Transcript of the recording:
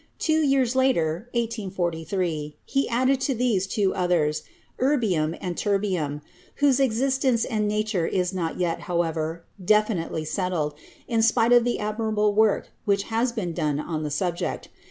Two years later (1843) he added to these two others, erbium and terbium, whose existence and nature is not yet, however, definitely set tled, in spite of the admirable work which has been done on the subject.